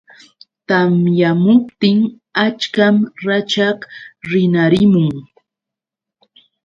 Tamyamuptin achkan rachaq rinarimun.